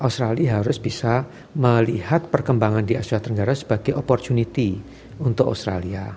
australia harus bisa melihat perkembangan di asia tenggara sebagai opportunity untuk australia